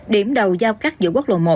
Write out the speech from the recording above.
điểm đầu giao cắt giữa quốc lộ một